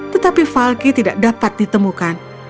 tetapi falky tidak dapat ditemukan